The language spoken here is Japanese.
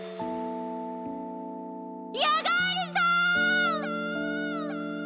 ヤガールさん！